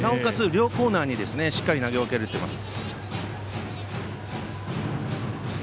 両コーナーにしっかり投げ分けれています。